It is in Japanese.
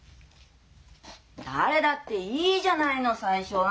誰だっていいじゃないの最初は。